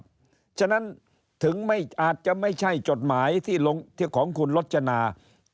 เพราะฉะนั้นถึงอาจจะไม่ใช่จดหมายที่ลงของคุณรจนา